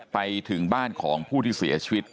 ไปถึงบ้านของผู้ที่เสียชีวิต